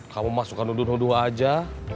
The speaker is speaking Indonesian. kamu masukkan udun udun aja